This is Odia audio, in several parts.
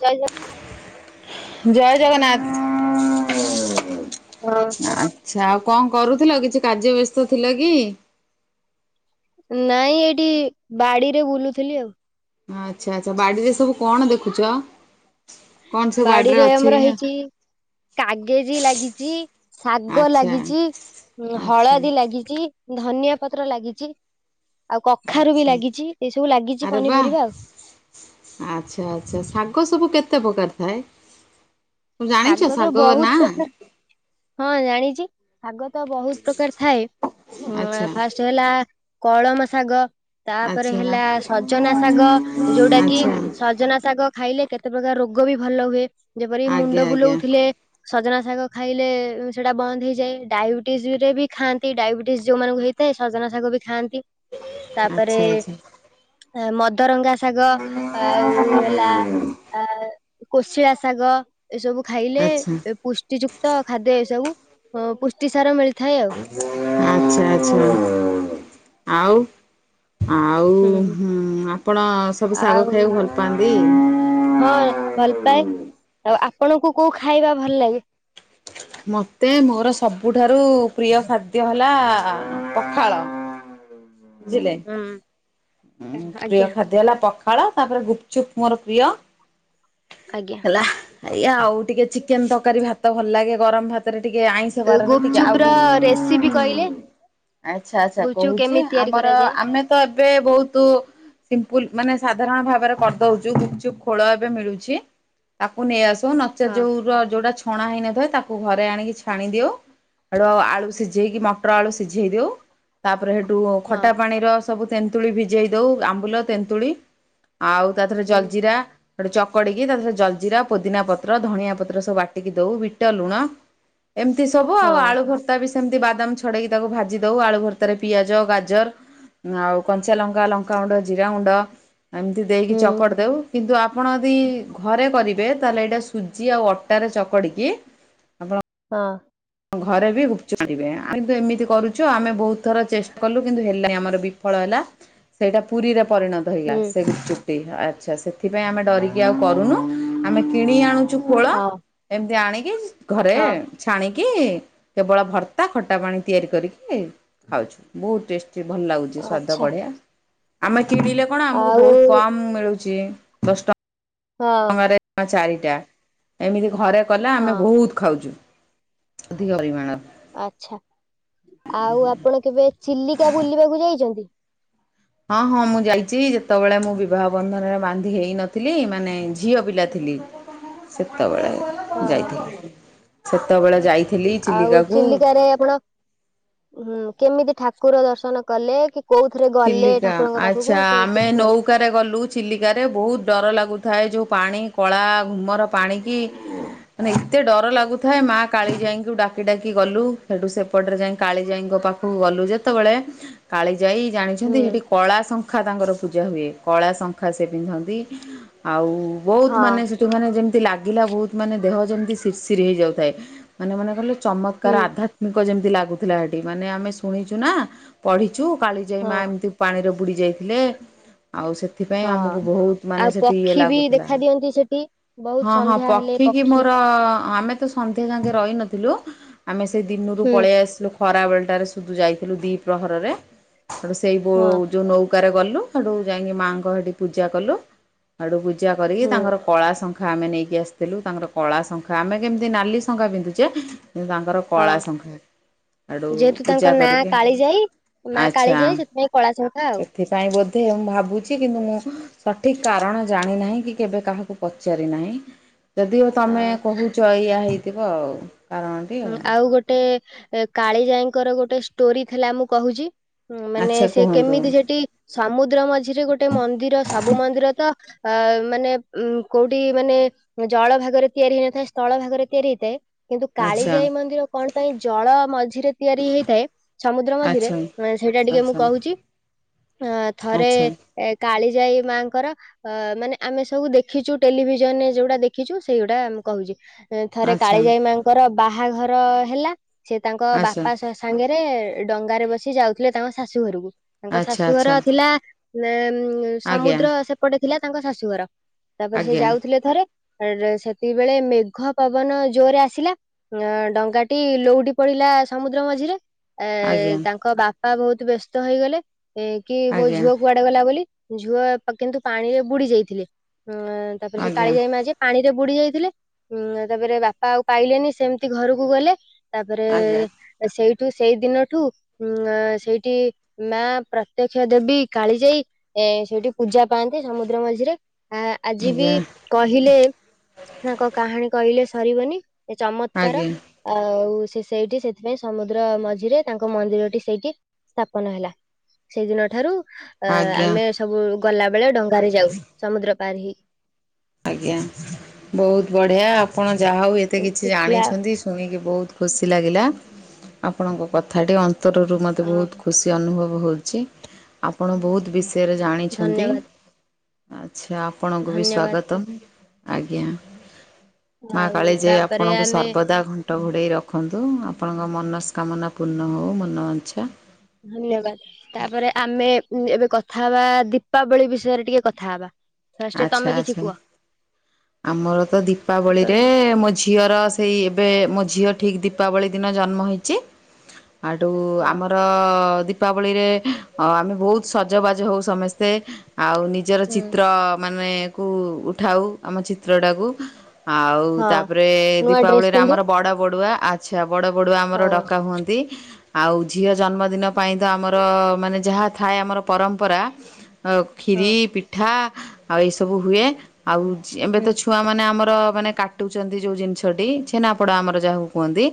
ଜୟ ଜ ଜୟ ଜଗନ୍ନାଥ। ହଁ ଆଛା ଆଉ କଣ କରୁଥିଲ କି କିଛି କାର୍ଯ୍ୟ ବ୍ୟସ୍ତ ଥିଲ କି? ନାଇଁ ଏଇଠି ବାଡିରେ ବୁଲୁଥିଲି ଆଉ। ଆଚ୍ଛା ଆଚ୍ଛା ବାଡିରେ ସବୁ କଣ ଦେଖୁଛ? କଣ ସବୁ ବାଡିରେ ଅଛି ଆମର ହେଇଛି କାଗେଜି ଲାଗିଛି ଶାଗ ଆଚ୍ଛା ଲାଗିଛି ଆଚ୍ଛା ହଳଦୀ ଲାଗିଛି। ଧନିଆ ପତ୍ର ଲାଗିଛି ଆଉ କଖାରୁ ବି ଆଚ୍ଛା। ଲାଗିଛି ଏ ସବୁ ଲାଗିଛି ଆରେ ବା ପନିପରିବା ଆଉ। ଆଚ୍ଛା ଆଚ୍ଛା ଶାଗ ସବୁ କେତେ ପ୍ରକାର ଥାଏ? ତୁ ଜାଣିଛୁ ତ ଶାଗ ବହୁତ ନାଁ? ପ୍ରକାର ହଁ ଜାଣିଛି ଶାଗ ତ ବହୁତ ପ୍ରକାର ଥାଏ ହଁ ଆ ଆଚ୍ଛା ଫାଷ୍ଟ୍ ସେ ହେଲା କଳମ ଶାଗ। ତାପରେ ଆଚ୍ଛା ହେଲା ସଜନା ଶାଗ ଯୋଉଟା କି ଆଚ୍ଛା। ସଜନା ଶାଗ ଖାଇଲେ କେ କେତେ ପ୍ରକାର ରୋଗ ବି ଭଲ ହୁଏ ଯେପରି ମୁ ଆଜ୍ଞା ଆଜ୍ଞା ଦେ ସଜନା ଶାଗ ଖାଇଲେ ସେଇଟା ବନ୍ଦ ହେଇଯାଏ ଡାଇବେଟିସ୍ ରେ ବି ଖାଆନ୍ତି ଡାଇବେ ଟିସ୍ ଯୋଉ ମାନଙ୍କୁ ହେଇଥାଏ ସଜନା ଶାଗ ବି ଖାଆନ୍ତି ତାପରେ ଆଚ୍ଛା ଆଚ୍ଛା ମଦରଙ୍ଗା ଶାଗ ଖା ଆଉ ହେଲା ଆ କୋଶିଳା ଶାଗ ଏସବୁ ଖାଇଲେ ଆଚ୍ଛା ଏ ପୁଷ୍ଟିଯୁକ୍ତ ଖାଦ୍ୟ ଏସବୁ ପୁଷ୍ଟିସାର ମିଳିଥାଏ ଆଉ। ଆଛା ଆଛା ଆଉ? ଆଉ ହୁଁ ଆପଣ ସବୁ ଶାଗ ଆଉ ଖାଇବାକୁ ଭଲ ପାଆନ୍ତି? ହଁ ଭଲ ପାଏ ଆଉ ଆପଣଙ୍କୁ କୋଉ ଖାଇବା ଭଲ ଲାଗେ? ମତେ ମୋର ସବୁଠାରୁ ପ୍ରିୟ ଖାଦ୍ୟ ହେଲା ପଖାଳ। ବୁଝିଲେ ହୁଁ। ଉଁ ପ୍ରିୟ ଆଜ୍ଞା ଖାଦ୍ୟ ହେଲା ପଖା ଖାଳ ତାପରେ ଗୁପଚୁପ୍ ମୋର ପ୍ରିୟ। ଆଜ୍ଞା। ହେଲା ଏଇଆ ଆଉ ଟିକେ ଚିକେନ ତରକାରୀ ଭାତ ଭଲ ଲାଗେ ଗରମ ଭାତରେ ଟିକେ ଆଇଁଷ ଷ ବାରରେ ଟିକେ ଗୁପଚୁପ ର ଆଉଛି ରେସିପି କହିଲେ ଚିକେନ। ଆଚ୍ଛା ଆଚ୍ଛା ଗୁପଚୁପ କହୁଛି କେମିତି ତିଆରି ଆମର କରାଯାଏ? ଆମେ ତ ଏବେ ବହୁତ ସିମ୍ପୁଲ ମାନେ ସାଧାରଣ ଭାବରେ କରିଦଉଛୁ ଗୁପଚୁପ୍ ଖୋଳ ଏବେ ମିଳୁଛି। ତାକୁ ନେଇ ଆସିବ ନଚେତ୍ ହଁ ଯୋଉଗୁରା ଯୋଉଟା ଛଣା ହେଇନଥାଏ ତା ତାକୁ ଘରେ ଆଣିକି ଛାଣି ଦିଅଉ ଧର ଆଳୁ ସିଝେଇକି ମଟର ଆଳୁ ସିଝେଇ ଦିଅଉ ତାପରେ ସେଉଠୁ ହଁ ଖଟା ପାଣିର ସବୁ ତେନ୍ତୁଳି ଭିଜେଇ ଦଉ ଆମ୍ବୁଲ ତେନ୍ତୁଳି ଆଉ ତାଦେହେରେ ହୁଁ। ଜଲଜିିରା ସେଉଠୁ ଚକଡିକି ତାଦେହେରେ ଜଲଜିରା ପୋଦିନା ପତ୍ର ଧନିଆ ପତ୍ର ସବୁ ବାଟିକି ଦଉ ବିଟ ଲୁଣ ଏମିତି ସବୁ ହଁ ଆଉ ଆଳୁ କସ ତାବି ସେମିତି ବାଦାମ ଛଡେଇକି ତାକୁ ଭାଜି ଦଉ। ଆଳୁ ଭରତାରେ ପିଆଜ ଗାଜର ଆଉ କଞ୍ଚା ଲଙ୍କା ଲଙ୍କାଗୁଣ୍ଡ ଜିରା ଗୁଣ୍ଡ ଏମିତି ଦେଇକି ହୁଁ ଚକଟ ଦଉ। କିନ୍ତୁ ଆପଣ ଯଦି ଘରେ କରିବେ ତାହେଲେ ଏଇଟା ସୁଜି ଆଉ ଅଟାରେ ଚକଡ଼ିକି ଆପଣ ହଁ। ଘରେ ବି ଗୁପଚୁପ କରିବେ। ଆ କିନ୍ତୁ ଏମିତି କରୁଛୁ ଆମେ ବହୁତ ଥର ଚେଷ୍ଟା କଲୁ କିନ୍ତୁ ହେଲେ ନି ଆମର ବିଫଳ ହେଲା। ସେଇଟା ପୁରୀରେ ପରିଣତ ହେଇଗଲା। ହୁଁ ସେ ଗୁପଚୁପ ଟୀ, ଆଚ୍ଛା ସେ ସେଥିପାଇଁ ଆମେ ଡରିକି ଆଉ କରୁନୁ ଆମେ କିଣି ଆଣୁଛୁ ଖୋଳ ହଁ ଏମିତି ଆଣିକି ଘରେ ହଁ ଛାଣି କି କେବଳ ଭର୍ତ୍ତା ଖଟା ପାଣି ତିଆରି କରିକି ଖାଉଛୁ ବହୁତ ଟେଷ୍ଟ। ଭଲ ଲାଗୁଛି ସ୍ଵାଦ ଆଚ୍ଛା ବଢିଆ ଆମେ କିଣିଲେ କଣ ଆମକୁ ଆଉ ବହୁତ କମ ମିଳୁଛି। ଦଶ ହଁ ଟଙ୍କାରେ ଚାରିଟା ଏମିତି ଘରେ କଲେ ଆମେ ହଁ ବହୁତ ଖାଉଛୁ ଅଧିକ ପରିମାଣ ଆଛା ଆଉ ଆପଣ କେବେ ଚିଲିକା ବୁଲିବାକୁ ଯାଇଛନ୍ତି। ହଁ ହଁ ମୁଁ ଯାଇଛି ଯେତେବେଳେ ମୁଁ ବିବାହ ବନ୍ଧନରେ ବାନ୍ଧି ହେଇନଥିଲି ମାନେ ଝିଅ ପିଲା ଥିଲି। ସେତେବେଳେ ହଁ ହଁ ଯାଇଥିଲି ସେତେବେଳେ ଯାଇ ଆଉ ଚିଲିକାରେ ଆପଣ ହଁ କେମିତି ଠାକୁର ଦର୍ଶନ କଲେ କି କୋଉଥରେ ଗଲେ ଠାକୁରଙ୍କ ପାଖକୁ ସେ କିଛି କୁହନ୍ତି। ସୁକାରେ ଗଲୁ ଚିଲିକାରେ ବହୁତ ଡର ଲାଗୁଥାଏ ଯେଉଁ ପାଣି କଳା ଘୁମର ପାଣିକି ମାନେ ଏତେ ଡର ଲାଗୁଥାଏ ମା କାଳିଜାଇଙ୍କୁ ଡାକି ଡାକି ଗଲୁ ସେଠୁ ସେପଟରେ ଯାଇ କାଳିଜାଇଙ୍କ ପାଖରେ ଗଲୁ ଯେତେବେଳେ କାଳି ଯାଇ ହୁଁ ଜାଣିଛନ୍ତି ସେଠି କଳା ଶଙ୍ଖା ତାଙ୍କର ପୂଜା ହୁଏ କଳା ଶଙ୍ଖା ସେ ପିନ୍ଧନ୍ତି ଆଉ ବହୁତ ହଁ ମାନେ ସେଠୁ ମାନେ ଯେମିତି ଲାଗିଲା ବହୁତ ମାନେ ଦେହ ଯେମିତି ସିରର୍ସିରି ହେଇଯାଉଥାଏ ମାନେ ମନେକଲେ ଚମତ୍କାର ହୁଁ ଆଧ୍ୟାତ୍ମିକ ଯେମିତି ଲାଗୁଥିଲା ଏଠି ମାନେ ଆମେ ଶୁଣିଛୁ ନା ପଢିଛୁ କାଳି ଯାଇ ହଁ ମା ଏମିତି ପାଣିରେ ବୁଡି ଯାଇଥିଲେ ଆଉ ସେ ସେଥିପାଇଁ ହଁ ଆମକୁ ବହୁତ ମାନେ ଆଉ ସେଠି ଇଏ ପକ୍ଷୀ ବି ଲାଗୁଥିଲା ଦେଖା ଦିଅନ୍ତି ସେଠି ବହୁତ ହଁ ହଁ ସନ୍ଧ୍ୟା ପ ହେଲେ ହେ କିି ପକ୍ଷୀ ମୋର ଆମେ ତ ସନ୍ଧ୍ୟା ସାଙ୍ଗେ ରହିନଥିଲୁ ଆମେ ସେ ଦିନରୁ ହୁଁ ପଳେଇ ଆସିଲୁ ଖରାବେଲଟାରେ ସୁଧୁ ଯାଇଥିଲୁ ଦ୍ୱିପ୍ରହରରେ ସେଠୁ ସେଇ ଗୋ ହଁ ଯୋଉ ନୌକାରେ ଗଲୁ ସେଠୁ ଯାଇକି ମାଆଙ୍କ ସେଠି ପୂଜା କଲୁ ସେଡୁ ପୂଜା କରି ହୁଁ ତାଙ୍କର କଳା ଶଙ୍ଖା ଶଙ୍ଖା ଆମେ ନେଇକି ଆସିଥିଲୁ ତାଙ୍କର କଳା ଶଙ୍ଖା ଆମେ କେମିତି ନାଲି ଶଙ୍ଖା ପିନ୍ଧୁଛେ କିନ୍ତୁ ତାଙ୍କର ହଁ କଳା ଶଙ୍ଖାରେ ଆଡୁ ଯେହେତୁ ତାଙ୍କ ପୂଜା ନାଁ କରିକି। କାଳିଜାଇ ମା କାଳିଯାଏ ସେଥିପାଇଁ କଳା ସଙ୍ଖା ଆଉ ଏଥିପାଇଁ ବୋଧେ ମୁଁ ଭାବୁଛି କିନ୍ତୁ ମୁଁ ସଠିକ୍ କାରଣ ଜାଣିନାହିଁ କି କେବେ କାହାକୁ ପଚାରିନାହିଁ? ଯଦିଓ ତମେ ହଁ। କହୁଛ ଏଇଆ ହେଇଥିବ ଆଉ କାରଣ ହୁଁ ଆଉ ଗୋଟେ କାଳିଜାଇଙ୍କର ଗୋଟେ ଷ୍ଟୋରି ଥିଲା ମୁଁ କହୁଛି। ମାନେ ଆଚ୍ଛା ସେ କୁହନ୍ତୁ କେମିତି ସେଠି ସମୁଦ୍ର ମଝିରେ ଗୋଟେ ମନ୍ଦିର ସବୁ ମନ୍ଦିର ତ ଆ ମାନେ ଉ କୋଉଠି ମାନେ ଜଳ ଭାଗରେ ତିଆରି ହେଇଥାଏ ସ୍ଥଳ ଭାଗରେ ତିଆରି ହେଇଥାଏ। କିନ୍ତୁ ଆଚ୍ଛା କାଳିଜାଇ ମନ୍ଦିର କଣ ପାଇଁ ଜଳ ମଝିରେ ତିଆରି ହେଇଥାଏ। ସମୁଦ୍ର ମଝିରେ ଆଚ୍ଛା ସେଇଟା ଟିକେ ମୁଁ ଆଚ୍ଛା କହୁଛି ଅ ଥରେ ଆଚ୍ଛା। ଏ କାଳିଯାଇ ମାଆଙ୍କର ଅ ମାନେ ଆମେ ସବୁ ଦେଖିଛୁ ଟେଲିଭିଜନରେ ଯୋଉଟା ଦେଖିଛୁ ସେଇଗୁଟା କହୁଛି। ଥରେ ଆଚ୍ଛା କାଳିଜାଇ ମାଆଙ୍କର ବାହାଘର ହେଲା ସେ ତାଙ୍କ ବାପା ଆଚ୍ଛା ଶ ସାଙ୍ଗରେ ଡଙ୍ଗାରେ ବସି ଯାଉଥିଲେ ତାଙ୍କ ଶାଶୁ ଘରକୁ। ତାଙ୍କ ଆଚ୍ଛା ଶାଶୁଘର ଆଚ୍ଛା ଥିଲା ଉ ଆଜ୍ଞା ସମୁଦ୍ର ସେପଟେ ଥିଲା ତାଙ୍କ ଶାଶୁଘର। ତାପରେ ସେ ଆଜ୍ଞା ଯାଉଥିଲେ ଥରେ ସେତିକି ବେଳେ ମେଘ ପବନ ଜୋରରେ ଆସିଲା। ଅ ଡଙ୍ଗାଟି ଲୋଉଟି ପଡିଲା ସମୁଦ୍ର ମଝିରେ ଏ ଆଜ୍ଞା। ତାଙ୍କ ବାପ ବାପା ବହୁତ ବ୍ୟସ୍ତ ହେଇଗଲେ ଏ କି ମୋ ଆଜ୍ଞା ଝିଅ କୁଆଡେ ଗଲାବୋଲି ଝୁଅ କିନ୍ତୁ ପାଣିରେ ବୁଡି ଯାଇଥିଲେ ତାପରେ ସେ ଆଜ୍ଞା କାଳିଯାଇ ମା ଯିଏ ପାଣିରେ ବୁଡି ଯାଇଥିଲେ ଉଁ ତାପରେ ବାପା ଆଉ ପାଇଲେନି ସେମିତି ଘରକୁ ଗଲେ। ତାପରେ ଆଜ୍ଞା ସେଇଠୁ ସେଇ ଦିନଠୁ ଉଁ ସେଇଠି ମା ପ୍ରତ୍ୟକ୍ଷ ଦେବି କାଳିଯାଇ ଏ ସେଇଠି ପୂଜା ପାଆନ୍ତି ସମୁଦ୍ରମଝିରେ। ଆ ଆଜିବି ଆଜ୍ଞା ଆଜ୍ଞା କହିଲେ ତାଙ୍କ କାହାଣୀ କହିଲେ ସରିବନି। ଚମକ ତାର ଆଜ୍ଞା। ଆଉ ସେ ସେଇଠି ସେଥିପାଇଁ ସମୁଦ୍ର ମଝିରେ ତାଙ୍କ ମନ୍ଦିରଟି ସେଇଠି ସ୍ଥାପନ ହେଲା ସେଇଦିନ ଠାରୁ ଅ ଆଜ୍ଞା। ଆମେ ସବୁ ଗଲାବେଳେ ଡଙ୍ଗାରେ ଯାଉ ସମୁଦ୍ର ପାରହେଇ। ଆଜ୍ଞା ବହୁତ ବଢ଼ିଆ ଆପଣ ଯାହା ହଉ ଏତେ ଏମିତି କିଛି ଥିଲା ଜାଣିଛନ୍ତି। ଶୁଣିକି ବହୁତ ଖୁସି ଲାଗିଲା ଆପଣଙ୍କ କଥାଟି ଅନ୍ତରରୁ ମତେ ବହୁତ ଖୁସି ଅନୁଭବ ହଉଛି ଆପଣ ବହୁତ ବିଷୟରେ ଜାଣିଛନ୍ତି। ଧନ୍ୟବାଦ ଆଚ୍ଛା ଆପଣଙ୍କୁ ବି ଧନ୍ୟବାଦ ସ୍ଵାଗତମ। ଆଜ୍ଞା ମା ଆଉ କାଳଜାଇ ତାପରେ ଆପଣଙ୍କୁ ଆମେ ସର୍ବଦା ଘଣ୍ଟ ଘୋଡେଇ ରଖ ରଖନ୍ତୁ ଆପଣଙ୍କ ମନସ୍କାମନା ପୂର୍ଣ୍ଣ ହେଉ। ମନମାଞ୍ଚା ଧନ୍ୟବାଦ ତାପରେ ଆମେ ଏବେ କଥା ହେବା ଦୀପାବଳି ବିଷୟରେ ଟିକେ କଥା ହବା। ଫାଷ୍ଟ ତମେ ଆଚ୍ଛା କିଛି ଆଚ୍ଛା କୁହ ଆମର ତ ଦୀପାବଳିରେ ଦୀପାବଳି ମୋ ଝିଅର ସେଇ ଏବେ ମୋ ଝିଅ ଠିକ୍ ଦୀପାବଳି ଦିନ ଜନ୍ମ ହେଇଛି। ଆଡୁ ହୁଁ ଆମର ଦୀ ଦୀପାବଳିରେ ଆମେ ବହୁତ ସଜବାଜ ହଉ ସମସ୍ତେ ଆଉ ନିଜର ଚିତ୍ର ମାନେ କୁ ଉଠାଉ ଆମ ଚିତ୍ରଟାକୁ। ଆଉ ହଁ ତାପରେ ନୂଆ ଡ୍ରେସ ଦୀପାବଳିରେ ପିନ୍ଧୁ ଆମର ବଡ ବଡୁଆ ଆ ଆଚ୍ଛା ବଡ଼ ବଡୁଆ ହଁ ଆମର ଡକା ହୁଅନ୍ତି। ଆଉ ଝିଅ ଜନ୍ମଦିନ ପାଇଁ ତ ଆମର ମାନେ ଯାହା ଥାଏ ଆମର ପରମ୍ପରା ଅଉ ହଁ କ୍ଷୀରି ପିଠା ଆଉ ଏଇ ସବୁ ହୁଏ ଆଉ ଜେମ୍ ଏବେ ହୁଁ ତ ଛୁଆମାନେ ଆମର ମାନେ କାଟୁଛନ୍ତି ଯୋଉ ଜିନିଷଟି ଛେନାପଡା ଆମର ଯାହାକୁ କୁହନ୍ତି।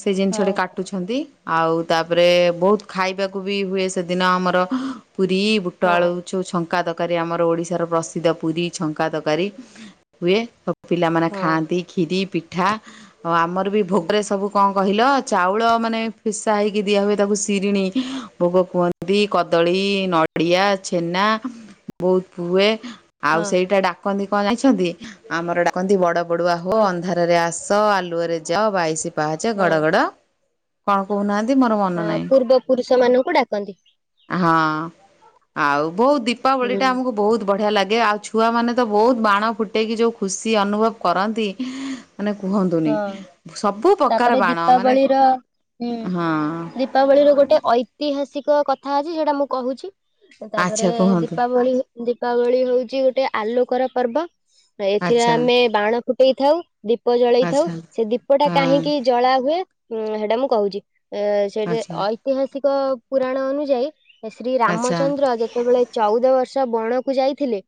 ସେ ହଁ ଜିନିଷଟେ କାଟୁଛ। ଛନ୍ତି ଆଉ ତାପରେ ବହୁତ ଖାଇବାକୁ ବି ହୁଏ ସେଦିନ ଆମର ପୁରୀ ବୁ ହଁ ପଆଳୁଛୁ ଛଙ୍କା ତରକାରୀ ଆମର ଓଡିଶାର ପ୍ର ସିଦ୍ଧ ପୁରୀ ଛଙ୍କା ତରକାରୀ ହୁଏ ଆଉ ପିଲାମାନେ ହଁ ଖାଆନ୍ତି କ୍ଷୀରି ପିଠା ଆଉ ଆମର ବି ଭୋଗରେ ସବୁ କଣ କହିଲା ଚାଉଳ ମାନେ ପିଶା ହେଇକି ଦିଆ ହୁଏ ତାକୁ ଶିରିନି। ଭୋଗ କୁହନ୍ତି କଦଳୀ, ନଡ଼ିଆ, ଛେନା ବହୁତ ହୁଏ। ଆଉ ହଁ ସେଇଟା ଡାକନ୍ତି କଣ ଯାଣିଛନ୍ତି? ଆମର ଡାକନ୍ତି ବଡ ବଡୁଆ ହୋ କଣ ଅନ୍ଧାରେ ରେ ଆସ ଆଲୁଅରେ ଯାଅ ବାଇଶ ପାହଁଚ ଗଡ ହଁ ଗଡ, କଣ କହୁନାହାନ୍ତି ମୋର ମନ ହଁ ନାହିଁ। ପୂର୍ବ ପୁରୁଷ ମାନଙ୍କୁ ଡାକନ୍ତି ହଁ ଆଉ ବହୁତ ଦୀପାବଳି ହୁଁ ଟା ଆମକୁ ବହୁତ ବଢିଆ ଲାଗେ। ଗେ ଆଉ ଛୁଆ ମାନେ ତ ବହୁତ ବାଣ ଫୁଟେଇକି ଯୋଉ ଖୁସି ଅନୁଭବ କରନ୍ତି। ମାନେ କୁହନ୍ତୁନି ହଁ ସବୁ ପ୍ରକାର ତାପରେ ବାଣ ମାନେ ଦୀପାବଳିର ହଁ ଦୀପାବଳି ରେ ଗୋଟେ ଐତିହାସିକ କଥା ଅଛି ଯୋଉଟା ମୁଁ କହୁଛି ଆଚ୍ଛା ତାପରେ କୁହନ୍ତୁ ଦୀପାବଳି ଦୀପାବଳି ହଉଛି ଗୋଟେ ଆଲୋକର ପର୍ବ। ଏଥିରେ ଆଚ୍ଛା ଆମେ ବାଣ ଫୁଟେଇଥାଉ ଦୀପ ଜଳେଇ ଥାଉ ଆଚ୍ଛା ହଁ ସେ ଦୀପଟା କାହିଁକି ଜଳା ହୁଏ ଉଁ ହେଟା ମୁଁ କହୁଚି ଏ ସେ ଯେ ଆଚ୍ଛା ଐ ଐତିହାସିକ ପୁରାଣ ଅନୁଯାୟୀ ଶ୍ରୀ ଆଚ୍ଛା ରାମଚନ୍ଦ୍ର ଯେତେବେଳେ ଚଉଦ ବର୍ଷ ବଣକୁ ଯାଇଥିଲେ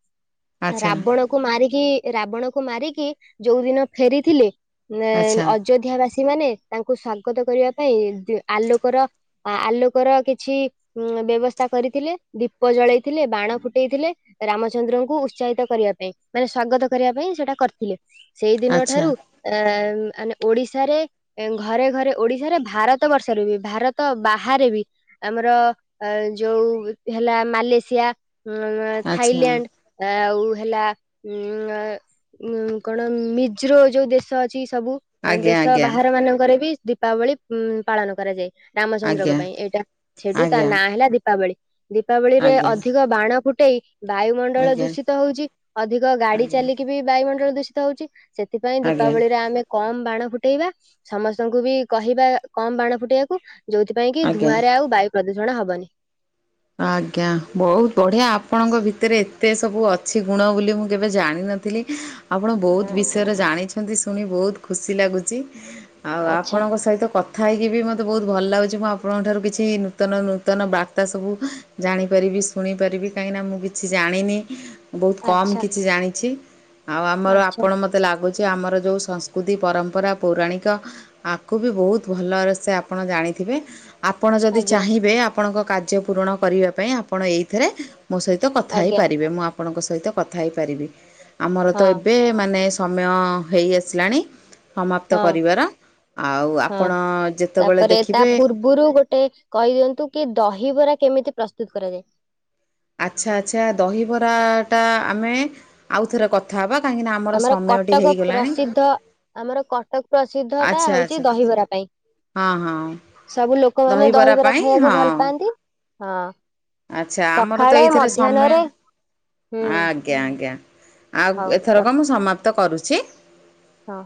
ଆଚ୍ଛା ରାବଣ କୁ ମାରିକି ରାବଣ କୁ ମାରିକି ଯୋଉ ଦିନ ଫେରିଥିଲେ ଏଁ ଆଚ୍ଛା ଅ ଅଯୋଧ୍ୟା ବାସୀ ମାନେ ତାଙ୍କୁ ସ୍ଵାଗତ କରିବା ପାଇଁ ଦି ଆଲୋକର ହଁ ଆଲୋକର କିଛି ବ୍ୟବସ୍ଥା କରିଥିଲେ ଦୀପ ଜଳେଇଥିଲେ ବାଣ ଫୁଟେଇଥିଲେ ରାମଚନ୍ଦ୍ରଙ୍କୁ ଉତ୍ସାହିତ କରିବା ପାଇଁ ମାନେ ସ୍ଵାଗତ କରିବା ପାଇଁ ସେଇଟା କରିଥିଲେ। ସେଇଦିନ ଆଚ୍ଛା ଠାରୁ ଆଁ ଆନେ ଓଡିଶାରେ ଏଁନ ଘରେ ଘରେ ଓଡିଶାର ଭାରତ ବର୍ଷରୁ ବି ଭାରତ ବାହାରେ ବି ଆମର ଅ ଯୋଉ ହେଲା ମାଲେସିଆ ଉଁ ଆଚ୍ଛା ଥାଇଲାଣ୍ଡ ଆଉ ହେଲା ଉଁ ଉଁ କଣ ମିଜ୍ରୋ ଯୋଉ ଦେଶ ଶ ଅଛି ସବୁ ଆଜ୍ଞା ଦେଶ ବାହାରେ ମାନଙ୍କରେ ବି ଦୀପାବଳି ଉଁ ପାଳନ କରାଯାଏ। ଆଜ୍ଞା ରାମଚନ୍ଦ୍ରଙ୍କ ପାଇଁ ଏଇଟା ସେଠୁ ତା ଆଜ୍ଞା ଆଜ୍ଞା ନାଁ ହେଲା ଦୀପାବଳି ଦୀପାବଳିରେ ଆଜ୍ଞା ଅଧିକ ବାଣ ଫୁଟେଇ ବାୟୁମଣ୍ଡଳ ଆଜ୍ଞା ଦୂଷିତ ହଉଛି ଅଧିକ ଗାଡି ଆଜ୍ଞା ଚାଲିକି ବି ବାୟୁମଣ୍ଡଳ ଦୂଷିତ ହଉଛି ସେଥିପାଇଁ ଆଜ୍ଞା ଦୀପାବଳି ରେ ଆମେ କମ ବାଣ ଫୁଟେଇବା ସମସ୍ତଙ୍କୁ ବି କହିବା କମ ବାଣ ଫୁଟେଇବାକୁ ଯୋଉଥିପାଇଁ କି ଆଜ୍ଞା ଧୂଆଁରେ ଆଉ ବାୟୁ ପ୍ରଦୂଷଣ ହବନି। ଆଜ୍ଞା ବହୁତ ବଢିଆ ଆପଣଙ୍କ ଭିତରେ ଏତେ ସବୁ ଅଛି ଗୁଣ ବୋଲି ମୁଁ କେବେ ଜାଣିନ ଥିଲି ଆପଣ ବହୁତ ବିଷୟରେ ଜାଣିଛନ୍ତି ଶୁଣି ବହୁତ ଖୁସି ଲାଗୁଛି। ଆଉ ଆଚ୍ଛା ଆପଣଙ୍କ ସହିତ କଥା କଥା ହେଇକି ବି ମୋତେ ବହୁତ ଭଲ ଲାଗୁଛି ମୁଁ ଆପଣଙ୍କ ଠାରୁ କିଛି ନୂତନ ନୂତନ ବାର୍ତ୍ତା ସବୁ ଜାଣିପାରିବି ଶୁଣିପାରିବି କାହିଁକିନା ମୁଁ କିଛି ଜାଣିନି। ବହୁତ କମ୍ ଆଚ୍ଛା କିଛି ଜାଣିଛି ଆଉ ଆମର ଆଚ୍ଛା ଆପଣ ମ ତେ ଲାଗୁଛି ଆମର ଯୋଉ ସଂସ୍କୃତି ପରମ୍ପରା ପୌରାଣିକ ଆକୁ ବି ବହୁତ ଭଲରେ ସେ ଆପଣ ଜାଣିଥିବେ। ଆପଣ ଯଦି ଆଜ୍ଞା ଚାହିଁବେ ଆପଣଙ୍କ କାର୍ଯ୍ୟ ପୂରଣ କରିବା ପାଇଁ ଆପଣ ଏଇଥିରେ ମୋ ସହିତ କଥା ଆଜ୍ଞା। ହେଇପାରିବେ ମୁଁ ଆପଣଙ୍କ ସହିତ କଥା ହେଇପାରିବି ଆମର ହଁ ତ ଏବେ ମାନେ ସମୟ ହେଇ ଆସିଲାଣି। ସମାପ୍ତ ହଁ କରିବାର ଆଉ ଆପଣ ଯେତେବେଳେ ଦେଖିବେ ପୁରୁ ଗୋଟେ କହିଦିଅନ୍ତୁ କି ଦହିବରା କେମିତି ପ୍ରସ୍ତୁତ କରାଯାଏ। ଆଚ୍ଛା ଆଚ୍ଛା ଦହିବରାଟା ଆମେ ଆଉଥରେ କଥା ହେବା କାହିଁକିନା ଆମର ସମୟଟି କଟକ ହେଇଗଲାଣି। ପ୍ରସିଦ୍ଧ ଆମର କଟକ ପ୍ରସିଦ୍ଧ ଟା ଆଚ୍ଛା ହଉଛି ଆଚ୍ଛା ଦହିବରା ପାଇଁ। ହଁ ହଁ ସବୁ ଲୋକମାନୋନ ଦହିବରା ପାଇଁ ଖାଇବାକୁ ହଁ ଭଲ ପାଆନ୍ତି ହଁ। ଆଚ୍ଛା ଆମର ତ ସକାଳେ ଏଇଥିରେ ସମୟ ମଧ୍ୟାହ୍ନରେ ହୁଁ ଆଗ୍ ଜ୍ଞା ଆଜ୍ଞା ଆଉ ହଉ ଏଥରକ ରଖ ମୁଁ ସମାପ୍ତ କରୁଚି। ହଁ।